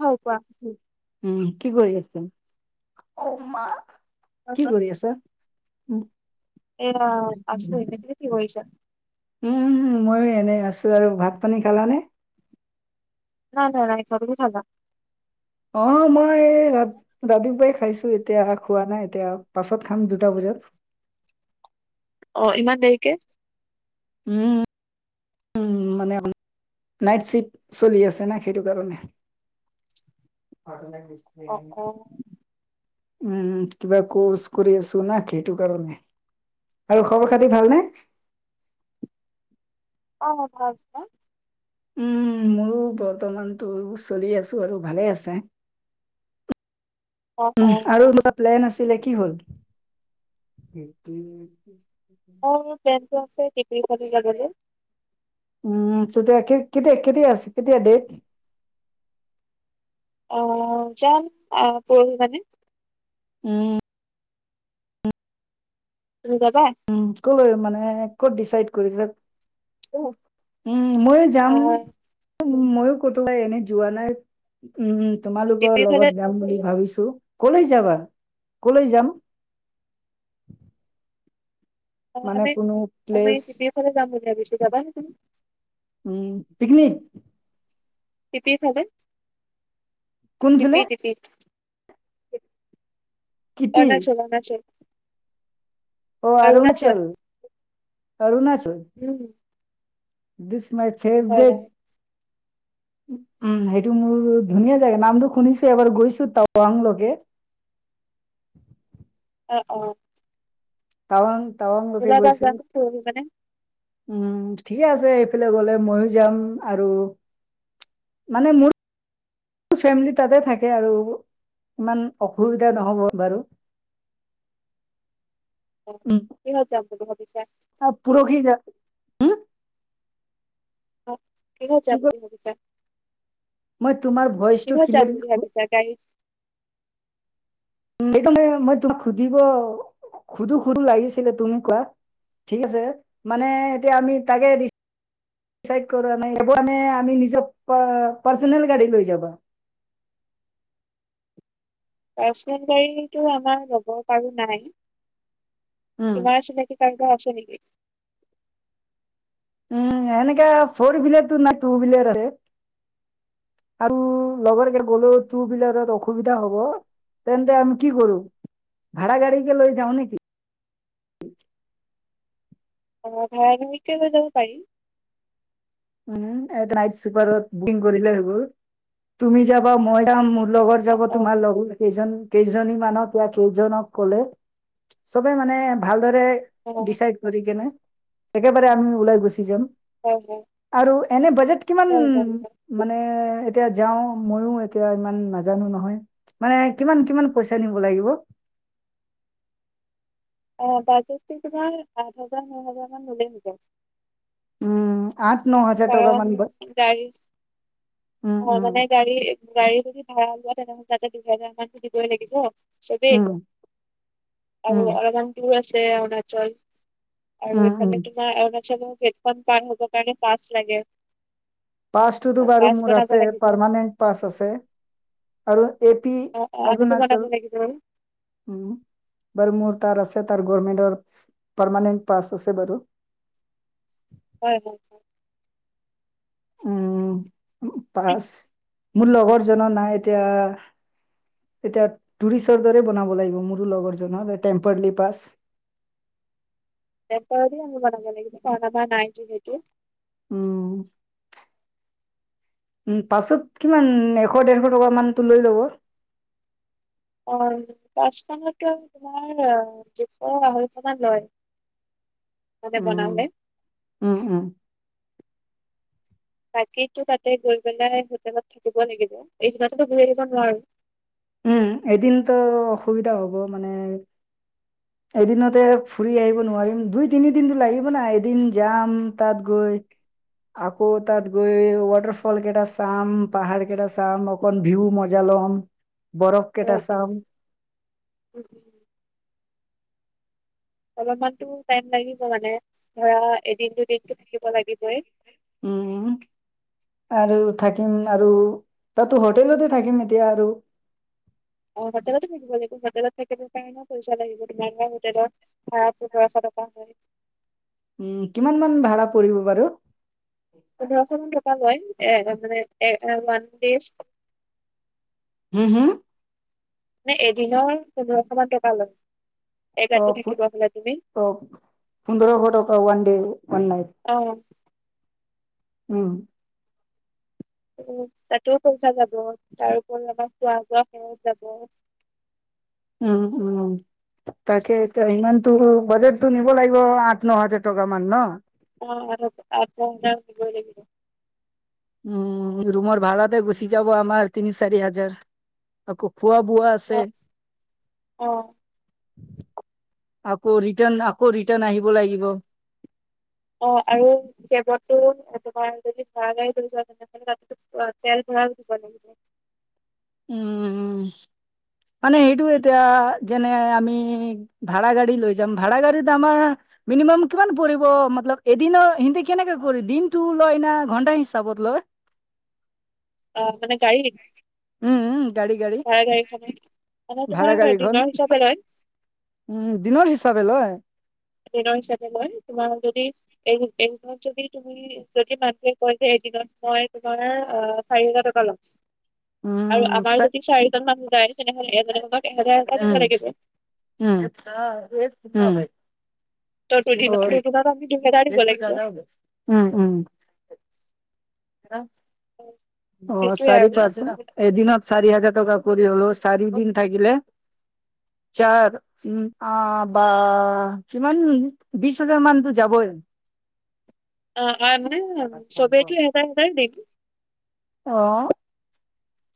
হয় কোৱা উম কি কৰি আছো। হয় কি হয়। কৰি আছা উম, এয়া আছো এনে তুমি কি কৰিছা উম, ময়ো এনে আছো আৰু ভাত পানী খালানে? নাই নাই নাই [unintelligible] অ মই ৰা ৰাতিপুৱাই খাইছো এতিয়া খোৱা নাই এতিয়া পাছত। খাম দুটা বজাত। অ', ইমান দেৰিকে। উম। মানে নাইট শিফ্ট চলি আছে না সেইটো কাৰণে। অ', তেনে অ', অ', উম, কিবা কৰ্চ কৰি আছো না সেইটো কাৰণে। আৰু খবৰ খাতি ভালনে। অ হয় হয়। উম মোৰো বৰ্তমানতো চলি আছোঁ আৰু ভালে আছে। অ অ উম, আৰু [unintelligible] প্লেন আছে। কেলে কি হল? অ প্লেনটো আছে [unintelligible] যাবলৈ। উম, তেতিয়া কে কেতিয়া কেতিয়া আছে কেতিয়ায়া ডেট? অ', যাম আ, পৰহি মানে। উম, তুমি যাবা উম, কলৈ মানে ক'ত ডিচাইড কৰিছে? উম, ময়ো যাম আহ ময়ো কতোবাই এনে যোৱা নাই উম, তোমালোকৰ টিপিৰ ফালে লগত যাম বুলি ভাবিছো। কলৈ যাবা কলৈ যাম। অ মানে আমি কোনো আমি প্লেচ এফালে যাম বুলি ভাবিছো যাবা নেকি। উম পিকনিক। টিপি থাগে কোনফালে টিপি টিপি। কিটি অৰুণাচল অৰুণাচল। অ', অৰুণাচল অৰুণচল অৰুণচল। উম মাই হয় ফেভৰেট। হয় [inaudible] উম, সেইটো মোৰ ধুনীয়া জেগা নামটো শুনিছো এবাৰ গৈছো তাৱাংলৈকে। [inaudible] অ অ। তাৱাং তাৱাং লোকে ওলাবা গৈছো। যাম পৰহি মানে উম, ঠিকে আছে এইফালে গলে ময়ো যাম আৰু। মানে মোৰ। ফেমিলি তাতে থাকে আৰু ইমান অসুবিধা নহব বাৰু। [inaudible] কি [unintelligible] অ পৰহি হুম। কি ক [unintelligible] মই তোমাৰ ভইচটো কিহত যাম বুলি ক্লিয়াৰলি ভাবিছা গাড়ীত সেইকাৰণে মই তোমাক সুধিব সুধো সুধো লাগিছিলে তুমি কোৱা। ঠিক আছে মানে এতিয়া আমি তাকে দি ডিচাইড কৰা নাই [unintelligible] আমি নিজৰ প পাৰ্চনেল গাড়ী লৈ যাবা। পচবাৰীটো আমাৰ ল'ব পাৰো নাই? উম, তোমাৰ চিনাকি কাৰোবাৰ আছে নেকি। উম, এনেকে ফৰলাৰটো নাই টু হুইলাৰ আছে। আৰু লগৰকে গলেও টু হুইলাৰত অসুবিধা হ'ব। তেন্তে আমি কি কৰো ভাৰা গাড়ী কে লৈ যাওঁ নেকি? অ ভাড়া গাড়ীতে লৈ যাব পাৰি। উ নাইট চুপাৰত বুকিং কৰিলে হৈ গ'ল। তুমি যাবা মই যাম মোৰ লগৰ অ যাব অ তোমাৰ লগ সেইজন কেইজনী মানক বা কেইজনক কলে চবে মানে ভাল। দৰে অ ডিচাইড কৰি কেনে একেবাৰে আমি ওলাই গুচি যাম। হয় হয়। আৰু এনে বাজেট কিমান হয় হয় হয় মানে এতিয়া যাও ময়ো এতিয়া ইমান নাজানো নহয়। মানে কিমান কিমান পইচা নিব লাগিব। অ বাজেটটো তোমাৰ আঠ হাজাৰ ন হাজাৰ মান হ'লে হৈ যায় চোন। উম। আঠ ন হাজাৰ টকা কাৰণ মান গাড়ী উম, হয় উম। মানে গাড়ী গাড়ী যদি ভাড়া লোৱাতে [unintelligible] তাতে দুহেজাৰ মানটো দিবই লাগিব। চবেই উম, আৰু উম, [unintelligible] আছে অৰুণাচল। আৰু উম, উম, এইফালে তোমাৰ অৰুণাচলৰ গেটখন পাৰ হব কাৰণে পাছ লাগে। পাছটোতো বাৰু পাছ মোৰ বনাব আছে লাগিব পাৰমানেণ্ট পাছ আছে। আৰু এ পি অ অ আমিতো বনাব অৰুণাচল লাগিব উম বাৰু মোৰ তাৰছে তাৰ। গৰৰ্মেন্তৰ পাৰমানেন পাছ আছে বাৰু। হয় হয়। উম পাছ মোৰ লগৰ জনৰ নাই এতিয়া এতিয়া টুৰিষ্টৰ দৰে বনাব লাগিব মোৰো লগৰ জনৰ টেম্পাৰলি পাছ [unintelligible] এপাবাৰ আ মং নেক কণ পানাইক ককো [unintelligible] উম উ পাছত কিমান এশ ডৰশ টকা মানতটো লৈ লব অ কাজখনতো আৰু তোমাৰ জুন আঢ়ৈশমান লয়। [unintelligible] তানে উম, বনালে উম, উম, বাকী তাতে গৈ পেলাই হোটেলত থাকিব লাগিব এইদিনাতো ঘূৰি আহিব নোৱাৰো উম এদিনতো অসুবিধা হ'ব মানে এদিনতে ফুৰি আহিব নোৱাৰিম দুই তিনিদিনতো লাগিব না এদিন যাম তাত গৈ। আকৌ তাত গৈ ৱাটাৰ ফল কেইটা চাম পাহাৰ কেইটা চাম অক ভিউ মজা ল ল বৰফ অ কেটা অ চাম উম উম অলমানতো টাইম লাগিব মানে ধৰা এদিন দুদিনতটো থাকিব লাগিবই উম আৰু থাকিম আৰু তাতো হোটেলতে থাকিম এতিয়া আৰু অ হোটেলতো থাকিব লাগিব হোটেলত থাকিব কাৰণেও পইচা লাগিব তোমাৰ হোটেলত ভ [unintelligible] উম কিমান মান ভাড়া পৰিব বাৰু পোন্ধৰশ মান টকা হয়য় এ মানে ওৱান ডজ হম হুম মানে এদিনৰ পোন্ধৰ শহ মানে টকা লৈ [unintelligible] অ অ পোন্ধৰ শহ টকা উন ডে উন নাইট [unintelligible] অ উম তাতোও পইচা যাব তাৰওৰত আমাৰ খোৱা বোৱা সেত যাব উম-উম তাকে এতিয়া ইমানতো বাজেটটো নিব লাগিব আঠ ন হাজাৰ টকা মান নহ। [inaudible] উম ৰুমৰ ভাড়াতে গুচি যাব আমাৰ তিনি চাৰি হাজাৰ আকৌ। খোৱা-বোৱা আছে। অ অ আকৌ ৰিটাৰ্ণ আকৌ ৰিটাৰ্ণ আহিব লাগিব। অ' আৰু সেইবোৰত টো তোমাৰ যদি ধৰা যায় ধৰি যোৱা তেনেহ'লে তা তেল। [inaudible] উম উম। মানে সেইটো এতিয়া যেনে আমি ভাড়া গাড়ী লৈ যাম ভাড়া গাড়ীত আমাৰ। মিনিমাম কিমান পৰিব মতলব এদিনৰ সিহতে কেনেকে কৰিব দিনতটো লয় না ঘন্টা হিচাপত লয়। [unintelligible] অ' মানে গাড়ীত উম উম গাড়ী গাড়ী চাৰ তাৰিখখনত মানে ভাড়া তোমাৰ গাড়ীখন দিনৰ হিচাপে লয়। উম দিনৰ হিচাপে লয়। ঋণ হিচাপে লয় তোমাৰ যদি এই এইমাহত যদি তুমি যদি মানুহে কয় যে। দিনত মই তোমাৰ অ' চাৰি হাজাৰ টকা লম উম উম আৰু আমাৰ যদি চাৰিজন মান। লাগিব। [inaudible] ত দুদিনত দুদিনত আমি দুহেজাৰ দিব লাগিব [unintelligible] উম উম। [inaudible] অ সেইটোয়ে চাৰি আৰু। পাঁচ এদিনত। চাৰি হাজাৰ টকা কৰি হলেও চাৰি দিন থাকিলে। ছাৰ উ অ বা কিমান বিশ হাজাৰ মানতো যাব। [unintelligible] অ অ মানে চবেটো এটা এটাই বেগ লব। অহ।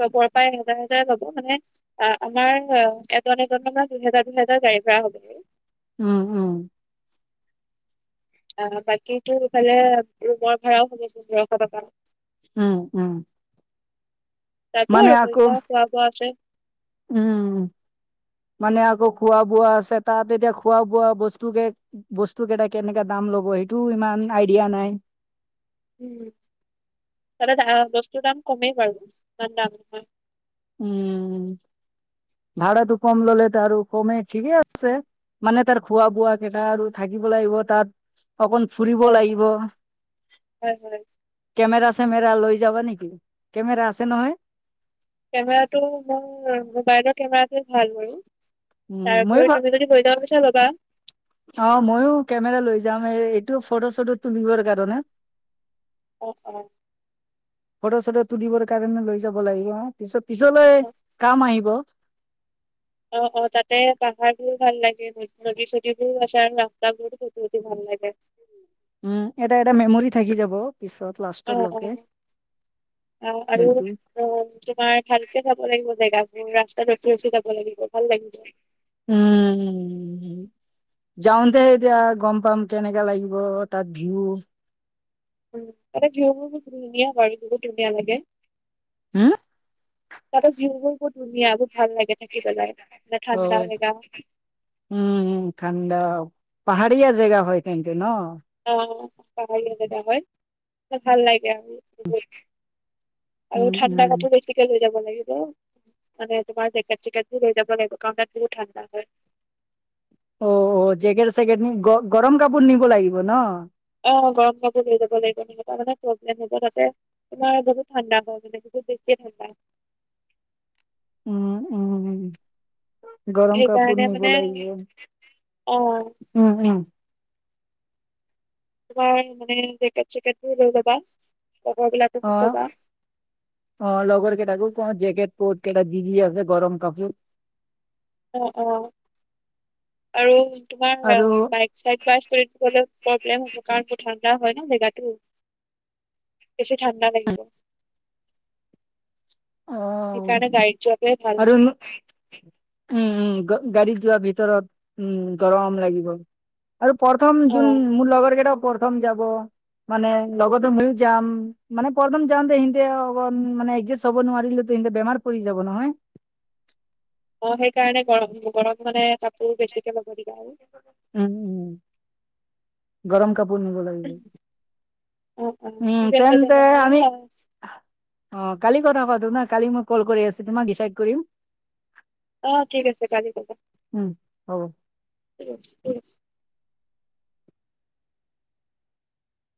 চবৰ পৰা এহেজাৰ হেজাৰ যাব মানে অ আমাৰ এজন এজনৰ দুহেজাৰ দুহেজাৰ যাব। [inaudible] উম উম। অ বাকীটো ইফালে ৰুমৰ ভাড়াও পোন্ধৰ শ টকা উম উম। যাব মানে আৰু আকৌ পইচা খোৱা-বোৱা আছে। উম। মানে আকৌ খোৱা বোৱা আছে তাত এতিয়া খোৱা বোৱা বস্তু কে বস্তু কেইটা কেনেকা দাম। ল'ব সেইটো ইমান আইডিয়া নাই। উম ত বস্তুৰ দাম কমেই বাৰু ইমান দাম নহয়। উম ভাড়াটো কম ল'লে ত আৰু কমে ঠিকে আছে। মানে তাৰ খোৱা বোৱা কেইটা আৰু থাকিব লাগিব তাত। অকণ ফুৰিব হয় লাগিব হয় হয় হয়। কেমেৰা। চেমেৰা লৈ যাবা নেকি, কেমেৰা আছে নহয়? কেমেৰাটো মোৰ মোবাইলৰ কেমেৰাটোৱে ভাল হয়। উম, তাৰ ময়ো ভা উপৰিও তুমি যদি কৈ যাব বিচৰা লবা। অ' ময়ো কেমেৰা লৈ যাম এই এইটো ফটো চটো তুলিবৰ কাৰণে। অ' অ' ফটো চটো তুলিবৰ কাৰণে লৈ যাব লাগিব পিছ পিছলৈ অ', কাম আহিব। অ অ তাতে পাহাৰ বোৰো ভাল লাগে নদী চদী বোৰ আছে ৰাস্তাবোৰ [unintelligible] ভাল। লাগে। উম এটা এটা মেমৰি থাকি যাব। লাষ্টৰ অ', লৈকে। অ', অ আৰু অ তোমাৰ ভালকে যাব লাগিব জেগাবোৰ ৰাস্তাত ৰখি ৰখি যাব লাগিব। ভাল লাগিব। উম। যাওঁতে এতিয়া গম পাম কেনেকা লাগিব তাত ভিউ। উম আৰু [unintelligible] ধুনীয়া বাৰু বহুত ধুনীয়া লাগে। হম। [unintelligible] বহুত ধুনীয়া ভাল লাগে থাকি পেলাই মানে অ ঠাণ্ডা জেগা উম ঠাণ্ডা। পাহাৰীয়া জেগা হয় তেন্তে ন। অ পাহৰীয়া জেগা হয় ভাল লাগে। আৰু উম, ঠাণ্ডা উম। কাপোৰ বেছিকে লৈ যাব লাগিব। [unintelligible] তাতে তোমাৰ জেকেট চেকেটবোৰ লৈ যাব লাগিব। কাৰণ তাত বহুত ঠাণ্ডা হয়। অ, অ, জেকেট চেকেট গৰম কাপোৰ নিব লাগিব ন। অ গৰম কাপোৰ লৈ যাব লাগিব তেনেকুৱা মানে প্ৰব্লেম হব, তাতে তোমাৰ বহুত ঠাণ্ডা হয়। [unintelligible] উম, উম, উ। গৰম কাপোৰ সেইকাৰণে নিব মানে লাগিব, অ উম উম তোমাৰ মানে জেকেট চেকেটবোৰ লৈ যাবা। অ, অ, লগৰকেইটাকো কও জেকেট। বহুত কেইটা যি যি আছে গৰম কাপোৰ। অ, অ, আৰু। তোমাৰ অ আৰু বাইক চাইক [unintelligible] প্ৰব্লেম হ'ব কাৰণ প [unintelligible] [unintelligible] হয় ন জেগাটো, বেছি ঠাণ্ডা লাগিব। [inaudible] অ সেইকাৰণে গাড়ীত যোৱাটোৱে ভাল আৰু উম উম গাড়ী। যোৱা ভিতৰত উম গৰম লাগিব আৰু প্ৰথম যোন অ মোৰ লগৰ কেইটা। প্ৰথম যাব। মানে লগত ময়ো যাম মানে প্ৰলণ্টন যাওঁতে। ইহঁতে ইকযাচট চাব নোৱাৰিলে, ইহঁতে বেমাৰ পৰি যাব নহয়। অ সেইকাৰণে গৰম গৰম মানে কাপোৰ বেছিকে ল'ব। দিবা আৰু উম উম গৰম কাপোৰ নিব অ অ লাগিব। উম ঠিক আছে তেন্তে তেনেহলে আমি অ কালি কথা পাতো না। কালি মই কল কৰি আছো। তোমাক ডিচাইড কৰিম। অ ঠিক আছে কালি ক'ব। উম হ'ব [unintelligible]